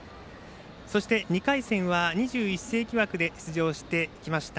そして２回戦は２１世紀枠で出場してきました